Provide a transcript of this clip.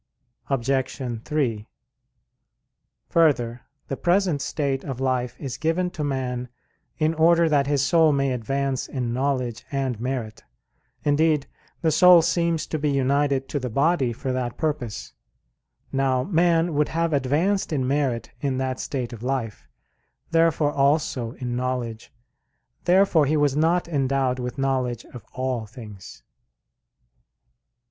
Obj. 3: Further, the present state of life is given to man in order that his soul may advance in knowledge and merit; indeed, the soul seems to be united to the body for that purpose. Now man would have advanced in merit in that state of life; therefore also in knowledge. Therefore he was not endowed with knowledge of all things.